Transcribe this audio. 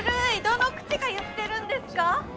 どの口が言ってるんですか？